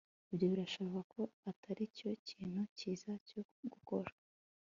Ibyo birashoboka ko atari cyo kintu cyiza cyo gukora